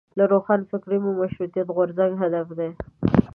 له روښانفکرۍ مو مشروطیت غورځنګ هدف دی.